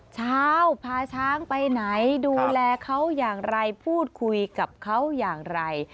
เช้าพาช้างไปไหนดูแลเขาอย่างไรพูดคุยกับเขาอย่างไร